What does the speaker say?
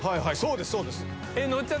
はい。